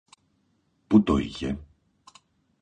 Πού το είχε;